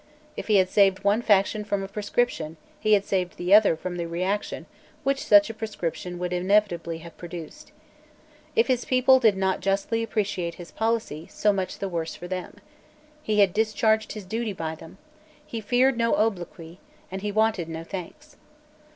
If he had saved one faction from a proscription, he had saved the other from the reaction which such a proscription would inevitably have produced. If his people did not justly appreciate his policy, so much the worse for them. He had discharged his duty by them. He feared no obloquy; and he wanted no thanks.